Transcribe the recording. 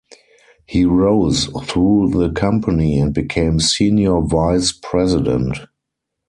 He rose through the company and became senior vice-president.